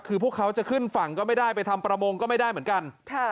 คือพวกเขาจะขึ้นฝั่งก็ไม่ได้ไปทำประมงก็ไม่ได้เหมือนกัน